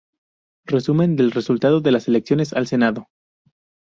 Resumen del resultado de las elecciones al Senado